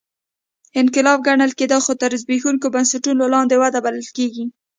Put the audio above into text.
انقلاب ګڼل کېده خو تر زبېښونکو بنسټونو لاندې وده بلل کېږي